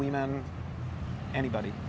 orang tua orang muda